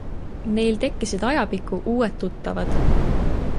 Neil tekkisid ajapikku uued tuttavad.